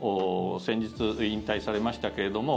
先日、引退されましたけれども。